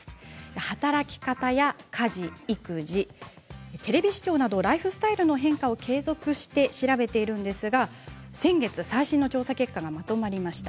働き方や家事、育児テレビ視聴などライフスタイルの変化を継続して調べているんですが先月、最新の調査結果がまとまりました。